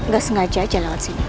gak sengaja aja lewat sini